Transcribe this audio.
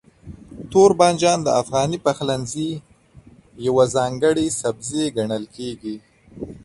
توربانجان د افغاني پخلنځي یو ځانګړی سبزی ګڼل کېږي.